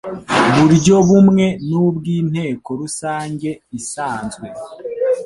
buryo bumwe n ubw Inteko Rusange isanzwe